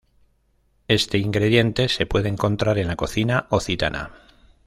Este ingrediente se puede encontrar en la cocina occitana.